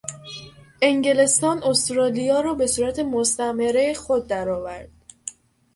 انگلستان استرالیا را به صورت مستعمره خود درآورد.